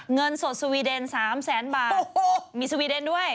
เงินสดสวีเดน๓แสนบาทมีสวีเดนด้วย